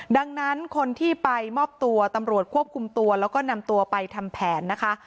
ดังนั้นคนที่ไปมอบตัวตำรวจควบคุมตัวแล้วก็นำตัวไปทำแผนนะคะ